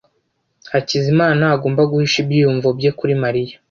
Hakizimana ntagomba guhisha ibyiyumvo bye kuri Mariya.